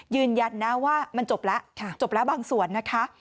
ยืนยันนะว่ามันจบแล้วจบแล้วบางส่วนนะคะ